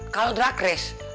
kalau drag race